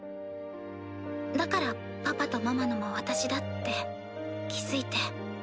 だからパパとママのも私だって気付いて。